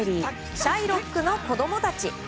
「シャイロックの子供たち」。